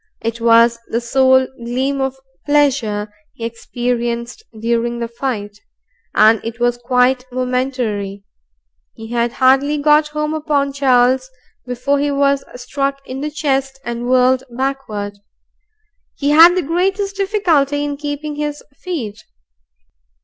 It was the sole gleam of pleasure he experienced during the fight, and it was quite momentary. He had hardly got home upon Charles before he was struck in the chest and whirled backward. He had the greatest difficulty in keeping his feet.